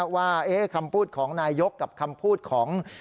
ว่าคำพูดของนายยกกับคำพูดของ